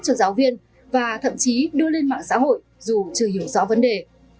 cho giáo viên và thậm chí đưa lên mạng xã hội dù chưa hiểu rõ vấn đề